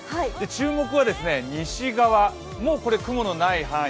注目は西側、もうこれ、雲のない範囲。